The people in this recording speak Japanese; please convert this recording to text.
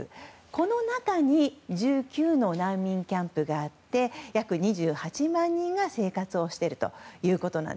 この中に１９の難民キャンプがあって約２８万人が生活をしています。